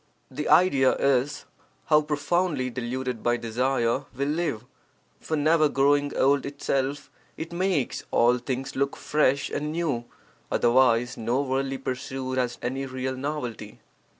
[The idea is: How profoundly deluded by desire we live! For never growing old itself, it makes all things look fresh and new, otherwise no worldly pursuit has any real novelty.